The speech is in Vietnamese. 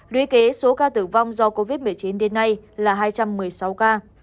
lý kế số ca tử vong do covid một mươi chín đến nay là hai trăm một mươi sáu ca